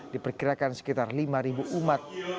diperkirakan sekitar lima umat